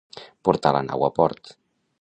Portar la nau a port.